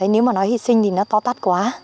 nếu mà nói hy sinh thì nó to tát quá